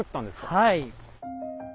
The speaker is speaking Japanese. はい。